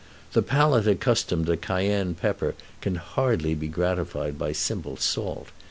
The palate accustomed to Cayenne pepper can hardly be gratified by simple salt.